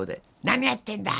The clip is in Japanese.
「何やってんだ！